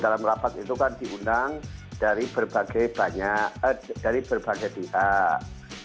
dalam rapat itu kan diundang dari berbagai pihak